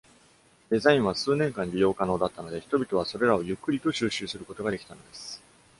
デザインは数年間利用可能だったので、人々はそれらをゆっくりと収集することができたのです。